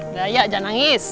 udah ya jangan nangis